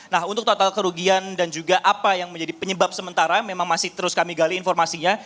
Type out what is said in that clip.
nah untuk total kerugian dan juga apa yang menjadi penyebab sementara memang masih terus kami gali informasinya